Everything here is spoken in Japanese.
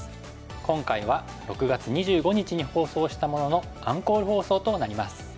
今回は６月２５日に放送したもののアンコール放送となります。